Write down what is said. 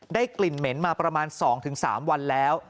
กลิ่นเหม็นมาประมาณ๒๓วันแล้ว